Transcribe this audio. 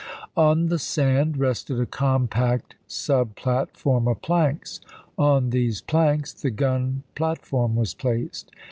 On the sand rested a compact sub platform of planks. On these planks the gun Giiimore, platform was placed.